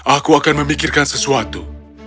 aku akan memikirkan sesuatu